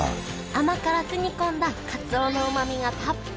甘辛く煮込んだかつおのうまみがたっぷり！